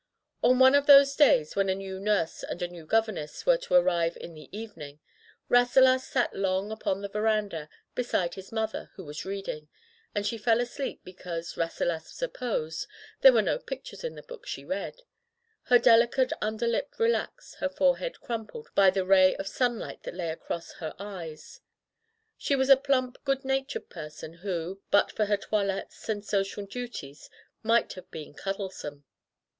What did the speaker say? On one of those days when a new nurse and a new governess were to arrive in the evening, Rasselas sat long upon the veranda, beside his mother, who was reading, and she fell asleep because, Rasselas supposed, there were no pictures in the book she read — ^her delicate underlip relaxed, her forehead crum pled by the ray of sunlight that lay across her eyes. She was a plump, good natured person who, but for her toilettes and social duties, might have been cuddlesome.